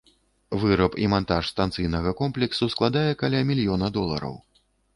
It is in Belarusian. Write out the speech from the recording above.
Выраб і мантаж станцыйнага комплексу складае каля мільёна долараў.